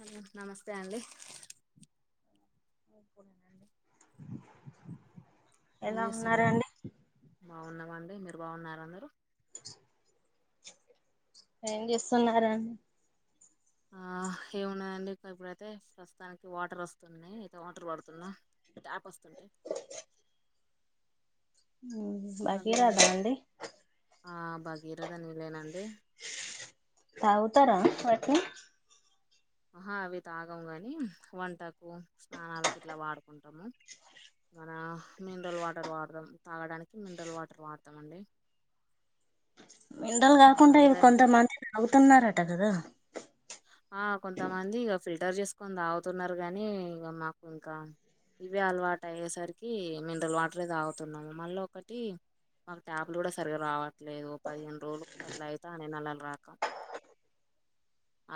Hello నమస్తే అండి ఏం ఎలా చేస్తున్నారండి ఉన్నారండి బాగున్నామండి మీరు బాగున్నార అందరు ఏం చేస్తున్నారాన్ ఆ ఏమున్నదండి ఇ ఇప్పుడైతే ప్రస్తుతానికి వాటర్ వస్తున్నాయ్ అయితే వాటర్ పడుతున్నా ట్యాప్ వస్తుంటె భగీరథా అండి ఆ భగీరద నీల్లేనం తాగుతారా అదే వాట్ని ఆహా అవి తాగం గాని వంటకు స్నానాలకు ఇట్లా వాడుకుంటము మన మినరల్ వాటర్ వాడదాం తాగడానికి మినరల్ వాటర్ వాడతమండి మినరల్ కాకుండా ఇవి భగీర కొంతమంది తాగుతున్నరట కదా ఆ కొంతమంది ఇగ ఫిల్టర్ చేసుకొని తాగుతున్నరు గనీ ఇంగ మాకు ఇంకా ఇవె అలవాటయ్యేసరికి మినరల్ వాటరే తాగుతున్నాము మళ్ళఒకటి మాకు ట్యాప్లు గూడ సరిగా రావట్లేదు పదిహేను రోజులు అట్లయితానయ్ నళ్ళలు రాక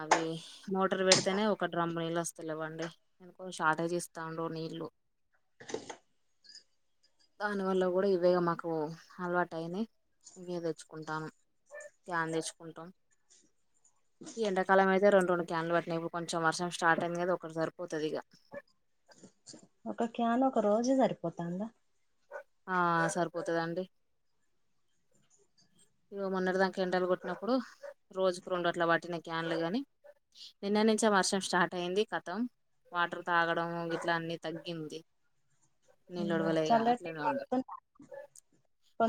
అవీ మోటర్ పెడతనే ఒక డ్రంము నీళ్ళు వస్తలేవండి ఎందుకో షార్టేజ్ ఇస్తాండు నీళ్ళు దాని వల్ల గూడా ఇవ్వేగా మాకు అలవాటు అయినయ్ ఇయ్యే తెచ్చుకుంటానమ్ క్యాన్ తెచ్చుకుంటాం ఎండక్ కాలమయితే రెండు రెండు క్యాన్లు పట్టినయ్ కొంచెం వర్షం స్టార్ట్ అయింది గద ఒకటి సరిపోతదిక ఒక క్యాన్ ఒక రోజే సరిపోతాందా ఆ సరిపోతదండి ఇగ మొన్నటి దాంకా ఎండలు కొట్టినప్పుడు రోజుకు రెండట్ల పట్టినయ్ క్యాన్లు గని నిన్నడ్నించే వర్షం స్టార్ట్ అయింది కతం వాటర్ తాగడం గిట్ల అన్ని తగ్గింది నీల్లోడవలే ఇగ చల్లటి అట్లనే ఉంది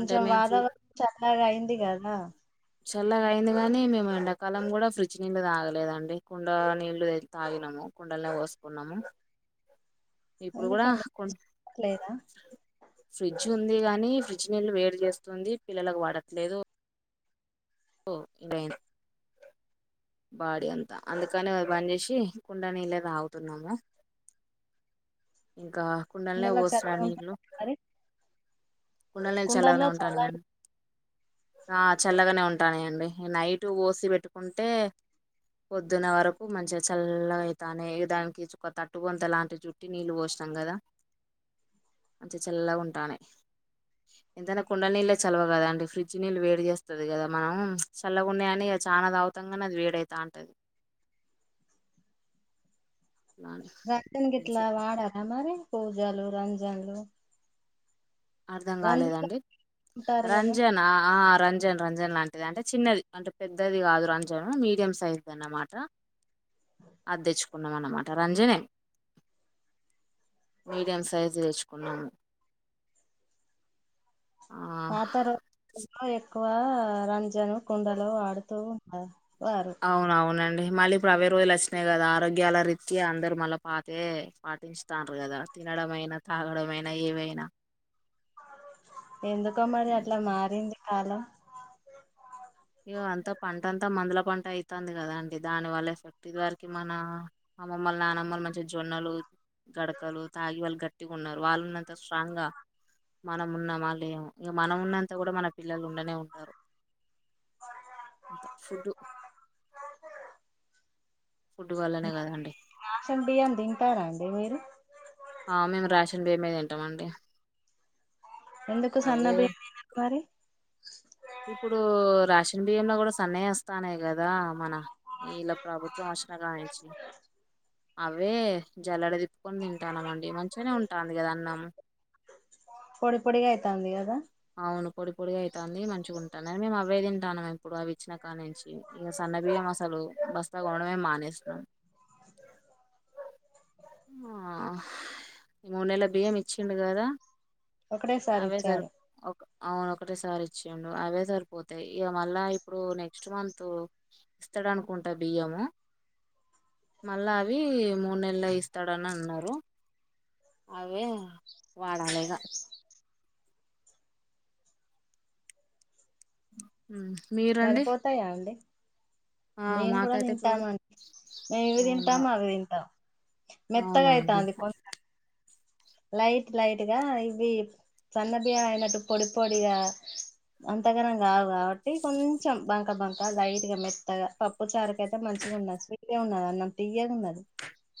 అంటే మేము ఫ్రీ వాతావరణం చల్లగయింది గదా చల్లగయింది గనీ మేము ఎండాకాలం గూడ ఫ్రిడ్జ్ నీళ్ళు తాగలేదండి కుండ నీళ్లు తె తాగినం కుండల్నే పోసుకున్నము ఇప్పుడు గూడా ఎందుకండి కుం లేదా ఫ్రిడ్జ్ ఫ్రిడ్జ్ ఉందిగని ఫ్రిడ్జ్ నిళ్ళు వేడి చేస్తుంది పిల్లలకు పడట్లేదు ఓ ఇన్ రైన్ బాడీ అంతా అందుకనే అవి బంజేసి కుండ నీల్లే తాగుతున్నము ఇంకా కుండల్నే ఇందులో పోసిన చల్లగా నీళ్ళు ఉంటుందా మరి కుండల్నీళ్ళు చల్లగనే కుండల్లో చల్ల ఉంటానయ అండి ఉంటానయండి నైట్ పోసి పెట్టుకుంటే పొద్దున్న వరకు మంచిగ చల్లగైతానయ్ దానికి చుక్క తట్టు కబొంత లాంటి చుట్టి నీళ్ళు పోస్ నం గదా మంచిగ చల్లగుంటానయ్ ఎంతైనా కుండ నీళ్ళే చలవ గదా అండి ఫ్రిడ్జ్ నీళ్ళు వేడి చేస్తది గదా మనం చల్లగున్నయని ఇగ చానా తాగుతంగని అది వేడైతాంటది అని రంజన్ గిట్ల వాడరా మరి కూజలు రంజన్ లు అర్ధం గాలేదండి ఉంటారు కదా రంజన్ ఆ రంజన్ రంజన్ లాంటిది అంటే చిన్నది అంటే పెద్దది కాదు రంజను మీడియం సైజ్దన్నమాట అద్దెచ్చుకున్నదన్నమాట రంజనే మీడియం సైజు తెచ్చుకున్నము పాత రోజులల్లో ఎక్కువ రంజను, కుండలు వాడుతూ ఉంటారు అవునవునండి మళ్ళీప్పుడు అవ్వే రోజులచ్చినయి గదా ఆరోగ్యాల రిత్యా అందరు మళ్ళ పాతయే పాటించుతాండ్రు గదా తినడ్ డమైనా తాగడమైనా ఏవైనా ఎందుకో మరి ఉమ్. అట్ల మారింది కాలం ఇగ అంత పంటంత మందుల పంట ఐత్తాంది గదా అండి దాని వల్ల ఎఫెక్ట్ ఇదివరకి మన అమ్మమ్మ నానమ్మలు మంచిగ జొన్నలు గడకలు తాగి వాళ్ళు గట్టిగున్నరు వాళ్ళున్నంత స్ట్రాంగ్ గ మనం ఉన్నమా లేము ఇంగ మనమున్నంత కూడా మన పిల్లలు ఉండనే ఉండరు అంత ఫుడ్డు కదండి రాషన్ బియ్యం తింటారాండి మీరు ఆ మేము రాషన్ బియ్యమే తింటమండి ఎందుకు సన్నబియ్యం తినరు మరి ఇప్పుడు రాషన్ బియ్యంలో కూడా సన్నయే వస్తున్నాయి కదా మన ఇల్ల ప్రభుత్వం వచ్చిన కానించి అవే జల్లెడ తి పుకొని తింటానమండి మంచిగానే ఉంటాంది కదా అన్నం పొడి పొడిగా అయితాంది కదా అవును పొడి పొడి అయితాంది మంచిగా ఉంటందని మేము అవే తింటానం ఇప్పుడు అవి ఇచ్చిన కా నుంచి ఇక సన్న బియ్యం అసలు బస్తాకోనడమే మానేసినం ఆ మూన్నేల బియ్యం ఇచిండు కదా ఒకటేసారి అవే సరి ఇచ్చారు అవును ఒకటేసారి ఇచ్చిండు అవే సరిపోతాయి ఇక మళ్ళా ఇప్పుడు నెక్స్ట్ మంత్ ఇస్తాడనుకుంటా బియ్యము మళ్ళా అవి మూడు నెల్లై ఇస్తాడని అన్నారు అవే వాడాలిగా ఉమ్ మీరండి సరిపోతాయా అండి ఆ మేము కూడా మాకైతే ఇప్పుడు తింటామండి మేము ఇవి అవునా తింటాము అవి తింటాం మెత్తగా అవునా అండి అయితాంది కొ లైట్ లైట్గా ఇవి సన్న బియ్యం అయినట్టు పొడి పొడిగా అంతగానం కావు కాబట్టి కొంచెం బంక బంక లైట్గా మెత్తగా పప్పు చారుకు అయితే మంచి ఉన్నది స్విట్గా ఉన్నది అన్నం తియ్యగా ఉన్నది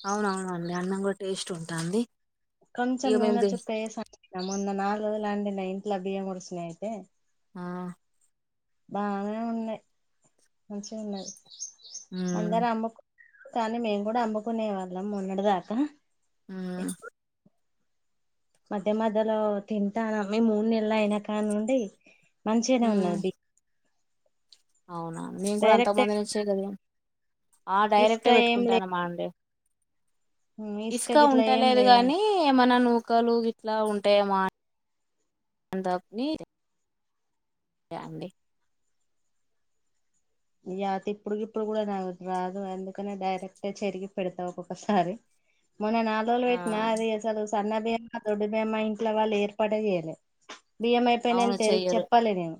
అవునవునండి అన్నం కూడా టేస్ట్ ఉంటాంది కొంచం నూనె చుక్కా వేసి అండిన మొన్న నాలుగు రోజులు అండి నా ఇంట్లో బియ్యం ఒడిసినయ్ అయితే ఆ బాగానే ఉన్నాయి మంచిగా ఉన్నది ఉమ్ అందరు అమ్ము కానీ మేము కూడా అమ్ముకునే వాళ్ళం మొన్నటి దాకా ఆ మధ్య మధ్యలో తింటానమ్ మీ మూడు నెలలు అయినా కాడ నుండి మంచిగానే ఉమ్ ఉన్నది బి అవునా మేము కూడా డైరెక్ట్ అంతమందినిచ్చేయి కదా ఆ ఇసుక డైరెక్టే ఏం లేదు పెట్టుకుంటాన్నాం అండి ఇసుక గిట్లా ఏం ఉంటలేదు గాని లేదండి మన ను కలు ఇట్లా ఉంటాయో మా అంత ప్పని అండి ఇయా తిప్పుడు గిప్పుడుకి కూడా నాకు రాదు ఎందుకనే డైరెక్టే చెరిగి పెడతా ఒక్కొక్కసారి మొన్న నాలుగు రోజులు ఆ పెట్టిన అది ఎసలు సన్న బీయ్యం దొడ్డు బియ్యమా ఇంట్లో వాళ్ళు ఏర్పటె చేయాలె బియ్యం అయిపోయిన అవును నని తె చెయ్యరు చెప్పాలే నేను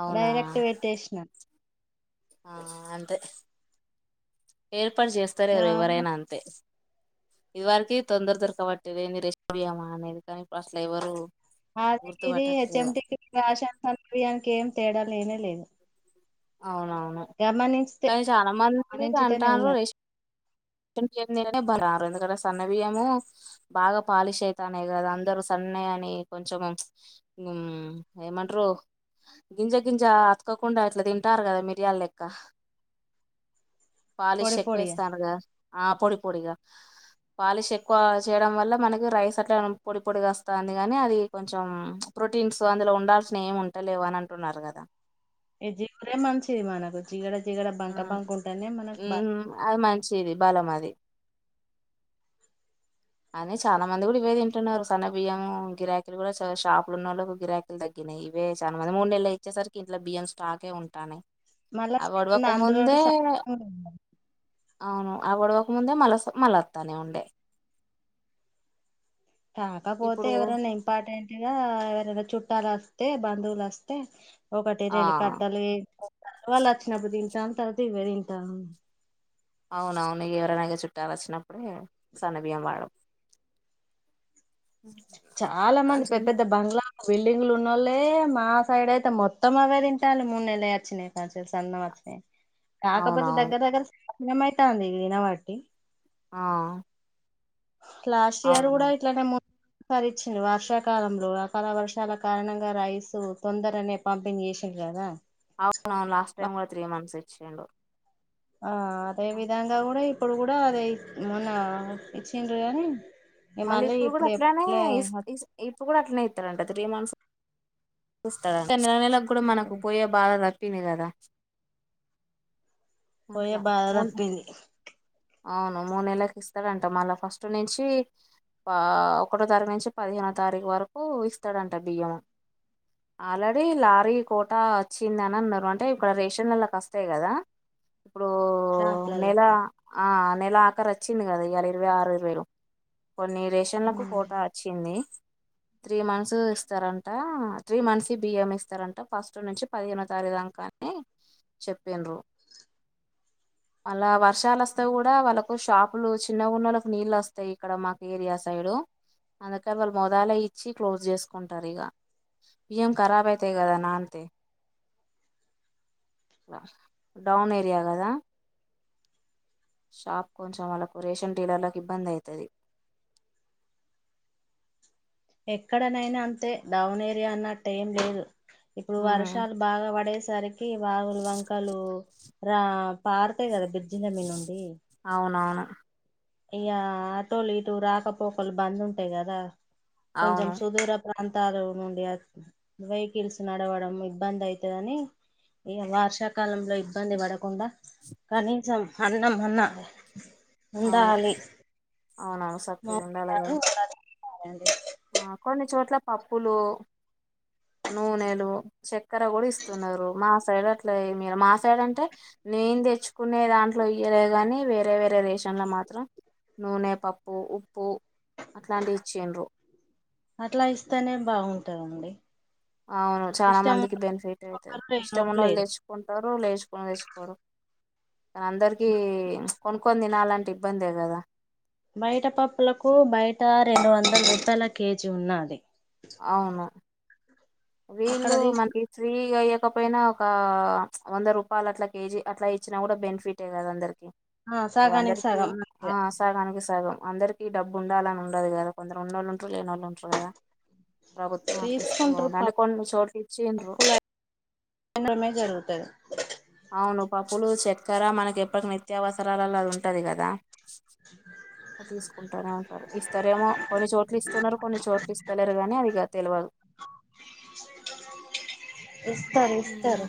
అవునా డైరెక్ట్ పేటేషిన ఆ అంతే ఏర్పాటు చేస్తా లేరు ఎవరైనా అంతే ఇది వారికి తొందర దొరక బట్టిల్లు ఏంది రెషన్ బియ్యమా అనేది కానీ ఇప్పుడు అసలు ఎవరు అదే ఇది హెచ్ఎం గుర్తుపట్టట్లేదు టి రాషన్ సన్నబియానికి ఏం తేడా లేనే లేదు అవునవును గమనించితే కానీ చాలా మంది గమనించితేనే అంటరు ఉన్నాయి రేష్ న్ బియ్యం తినే బాగా రారు ఎందుకంటే సన్న బియ్యము బాగా పాలిష్ అవుతానేయి కదా అందరు సన్నయి అని కొంచెం ఏమంటారు గింజ గింజ అతుకోకుండా అట్లా తింటారు కదా మిరియాలు లెక్క పాలిష్ పొడి ఎక్కువ పొడిగా వేస్తాన్లు ఆ పొడి పొడిగా పాలిష్ ఎక్కువ చేయడం వల్ల మనకి రైస్ అట్లా పొడి పొడి వస్తాంది కానీ అది కొంచం ప్రోటీన్స్ అందులో ఉండాల్సినవి ఏమి ఉంటలేవు అని అంటున్నారు కదా ఏ జిగడే మనంచిది మనకు జిగడ జిగడ బంక బంక ఉంటేనే మనకు బ ఉమ్ ఊ అది మంచిది బలం అది అదే చాలా మంది కూడా ఇవే తింటున్నారు సన్న బియ్యము గిరాకీలు కూడా షాపులున్నోళ్ళకు గిరాకీలు తగ్గినయి ఇవే చానా మంది మూడు నెల్లో ఇచ్చేసరికి ఇంట్లో బియం స్టాకే ఉంటానాయి మళ్ళ అవి ఒడవక ముందే [inaudible] అవును ఆ గొడవకు ముందే మళ్ళస్ మళ్ళ వత్తానే ఉండే కాకపోతే ఇప్పుడు ఎవరన్నా ఇంపార్టెంట్ గా ఎవరైనా చు ట్టాలు వస్తే బంధువులస్తే ఒకటి రెండు ఆ కట్టలు [inaudible] వాళ్ళు వచ్చినప్పుడు తింటాం తర్వాత ఇవే తింటాం అవునవును ఎవరైనాగా చుట్టాలు వచ్చినప్పుడే సన్నబియం వాడ చాలా మంది పె పెద్ద బంగ్లా బిల్డింగ్లు ఉన్నోళ్ళలే మా సైడ్ అయితే మొత్తం అవే తింటాలి మూడు నెల్లయి వచ్చినాయి కా తెల్ సన్నం వచ్చినయి కాకపోతే అవునవును దగ్గర దగ్గర [inaudible] అయితాంది వినబట్టి ఆ లాస్ట్ ఇయర్ కూడా అవునవును ఇట్లానే మొ పర్ ఇచ్చిండు వర్షాకాలంలో అకాల వర్షాల కారణంగా రైసు తొందరనే పంపిణి చేషింరు కదా అవునవును లాస్ట్ టైం కూడా త్రీ మంత్స్ ఇచ్చిండు ఆ అదే విధంగా కూడా ఇప్పుడు కూడా అదే మొన్న ఇచ్చిండ్రు గానీ మళ్ళీ ఇప్పుడు కూడా అట్లనే ఇస్ ఇస్ ఇప్పుడు కూడా అట్లనే ఇత్తరంట త్రీ మంత్స్ [unintelligible] నెలకు కూడా మనకు పొయ్యే బాధ తప్పింది కదా పొయ్యే అట్లా భాధ మూడు తప్పింది అవును మూడు నెళ్ళకి ఇస్తాడంట మళ్ళా ఫస్ట్ నుంచి ఆ ఒకటో తారీఖు నుంచి పదిహేనో తారీఖు వరకు ఇస్తాడంట బియ్యము ఆల్రెడీ లారీ కోటా వచ్చింది అని అన్నారు అంటే ఇక్కడ రేషన్లల్లకి వస్తాయి కదా ఇప్పుడు నెల షాప్లల్లకా ఆ నెల ఆఖరు అచ్చింది కదా ఇయాళ ఇరవై ఆరు ఇరవైరు కొన్ని రేషన్లకు కోటా అచ్చింది త్రీ మంత్స్ ఇస్తారంట త్రీ మంత్స్ బియ్యం ఇస్తారంట ఫస్టు నుంచి పదిహేనో తారీఖు దాంకాని ని చెప్పిండ్రు మళ్ళా వర్షాలస్ తే కూడా వాళ్ళకు షాపులు చిన్నగున్నోళ్ళకి నీళ్ళు వస్తాయి ఇక్కడ మాకు ఏరియా సైడు అందుకని వాళ్ళు మోదాలే ఇచ్చి క్లోస్ చేసుకుంటారు ఇగ బియ్యం ఖరాబ్ ఐతాయి కదా నానితే డౌన్ ఏరియా గదా షాప్ కొంచెం వాళ్లకు రేషన్ డీలర్లకు ఇబ్బంది ఐతది ఎక్కడనైనా అంతే డౌన్ ఏరియా అన్నట్టు ఏం లేదు ఇప్పుడు ఉమ్ వర్షాలు బాగా పడే సరికి వాగులు వంకాలు రా పారుతాయి కదా బిర్జిలమి నుండి అవునవును ఇగ ఆటోలు ఇటు రాకపోకలు బంద్ ఉంటాయి గదా కొంచెం అవును సుదూర ప్రా అంతాలు నుండి వెహికల్స్ నడవడం ఇబ్బంది ఐతాయని ఇగ వర్షాకాలంలో ఇబ్బంది పడ కుండా కనీసం అన్నం అన్నా అవును ఉండాలి అవునా [unintelligible] అండి ఆ కొన్ని చోట్ల పప్పులు నూనెలు చక్కెర కూడ ఇస్తున్నారు మా సైడ్ అట్ల ఏమి ఇయ్యారు మా సైడ్ అంటే నేన్ తెచ్చుకునే దాంట్లో ఇయ్యలే గాని వేరే వేరే రేషన్ ల మాత్రం నూనె, పప్పు, ఉప్పు, అట్లాంటివి ఇచ్చిండ్రు. అట్లా ఇస్తనే బాగుంటది అండి అవును చాలా మందికి బెనిఫిట్ అయతది ఒకరు ఇష్టం లేనోళ్ళు ఉన్నొళ్ళు లేరు తెచ్చుకుంటారు లేచుకున్ తెచ్ పోరు కానీ అందరికి కొనుక్కొని తినాలంటే ఇబ్బందే కదా బయట పప్పులకు బయట రెండు వందలు రూపాయలకి కేజీ ఉన్నాది అవును అక్కడ వీళ్ళు తీసు మనకి ఫ్రీగా ఇయక్ ఇయకపోయినా ఒక వంద రూపాయలు అట్లా కేజీ అట్లా ఇచ్చినా కూడా బెనిఫిటే కదా అందరికి ఆ అది సగానికి అందరికి సగం ఆ మంచిగా సాగానికి సగం అందరికి డబ్బు ఉందాలని ఉండదు కదా కొందరు ఉన్నోళ్ళు ఉంటారు లేనోళ్ళు ఉంటారు కదా ప్రభుత్వం అట్లిస్తే తీసుకుంటారు బాగుండు అంటే కొన్ని చోట్లు ఇచ్చిండ్రు పప్పులు అమ్మడమే జరుగుతది అవును పప్పులు చక్కెర మనకి ఎప్పటి నిత్యావసరాలల్ల అది ఉంటది గదా అట్ తీసుకుంటానే ఉంటారు ఇస్తారేమో కొన్ని చోట్లిస్తున్నారు కొన్ని చోట్లిస్తలేరు గానీ అది ఇగ తెల్వదు [unintelligible] ఇస్తరు ఇస్తరు ఉమ్,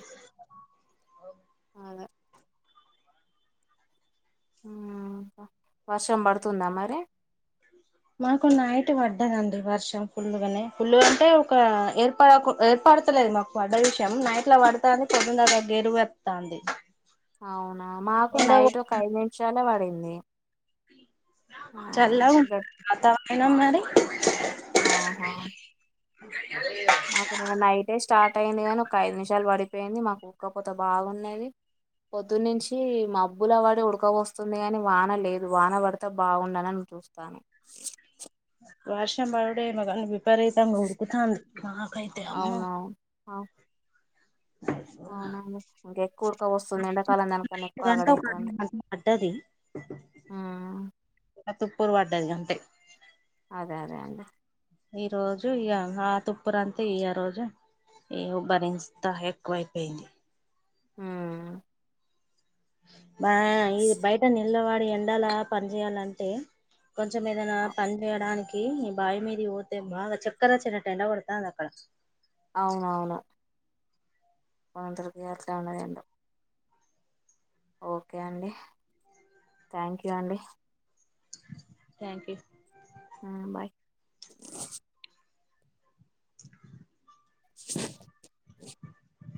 అదే ఉ వర్షం పడుతుందా మరి మాకు నైట్ పడ్డదండి వర్షం పుల్లుగానే పుల్లుగంటే ఒక ఏర్పాడకు ఏర్పాడ్ పడతలేదు మాకు పడ్డ విషయం నైట్లా పడతాంది పొద్నన్ దాక గెరువత్తంది అవునా మాకు నైట్ ఒక ఐదు నిమిషాలే వడింది చల్లగుందా వాతావరణం మరి ఆహా మాకు నిన్న నైటేస్ స్టార్ట్ అయింది గాని ఒక ఐదు నిమిషాలు పడిపోయింది మాకు ఉక్కపోత బాగున్నది పొద్దున్నించి మబ్బుల వడి ఉడక వొస్తుంది గాని వాన లేదు వాన పడితే బాగుండు అనీ అన్ చూస్తాను వర్షం పడుడు ఏమొ కాని విపరితంగా ఉడుకుతంది నాకైతే అమ్మొ ఆవ్ అవునండి ఇంకెక్కువ ఉడకవొస్తుంది ఎండాకాలం దానికన్నా ఎక్కువ గంట ఒక అగడయితంది గంట పడ్డది ఊ ఏ తుప్పులు పడ్డది గంతే అదే అదే అండి ఈ రోజు ఇగ ఆ తుప్పురంతే ఇయ రోజు ఏవో భరించ్తా ఎక్కువైపోయింది ఊ బయ్ ఈ బయట నిలవడి ఎండల పని చేయాలంటే కొంచెం ఏదైనా అ- పనిచేయడానికి కి బాయి మీదకి పోతే బాగా చక్కర వచ్చినట్టు ఎండ కొడుతాంది అక్కడ అవునవును మా అందరికి ఆట్ల అన్నది ఏందో ఓకే అండి థ్యాంక్ యూ అండి థ్యాంక్ యూ మ్ బాయ్. [unintelligible] [inaudible] [unintelligible] [inaudible]